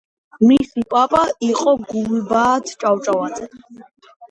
მისი პაპა იყო გულბაათ ჭავჭავაძე.